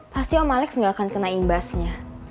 pasti om malex gak akan kena imbasnya